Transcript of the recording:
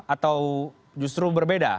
atau justru berbeda